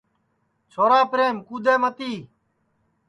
چھورا پریم کُدؔے متی